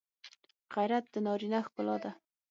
غیرت د نارینه ښکلا ده